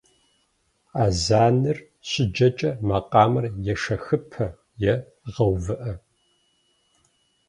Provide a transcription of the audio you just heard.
Азэныр щыджэкӏэ макъамэр ешэхыпэ е гъэувыӏэ.